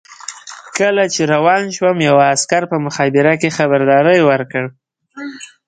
چې کله روان شوم یوه عسکر په مخابره کې خبرداری ورکړ.